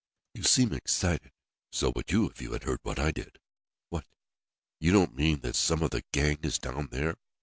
"You seem excited." "So would you, if you had heard what I did." "What? You don't mean that some of the gang is down there?"